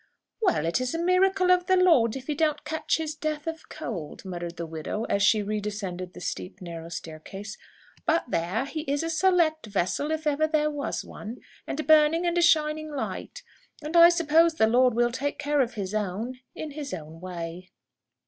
"Well, it is a miracle of the Lord if he don't catch his death of cold," muttered the widow as she redescended the steep, narrow staircase. "But there! he is a select vessel, if ever there was one; and a burning and a shining light. And I suppose the Lord will take care of His own, in His own way."